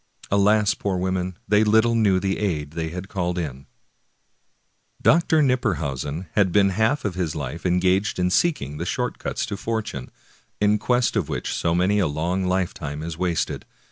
Alas, poor women! they httle knew the aid they had called in. Dr. Knipperhausen had been half his life engaged in seeking the short cuts to fortune, in quest of which so many a long lifetime is wasted.